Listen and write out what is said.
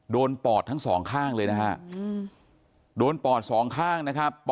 ปอดทั้งสองข้างเลยนะฮะโดนปอดสองข้างนะครับ